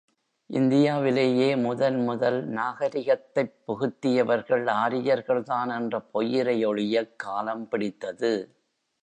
இந்தியாவிலேயே முதன் முதல் நாகரிகத்தைப் புகுத்தியவர்கள் ஆரியர்கள் தான் என்ற பொய்யுரை ஒழியக் காலம் பிடித்தது.